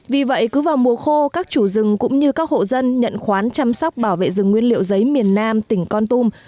vì vậy cứ vào mùa khô các chủ rừng cũng như các hộ dân nhận khoán chăm sóc bảo vệ rừng nguyên liệu giấy miền nam tỉnh con tum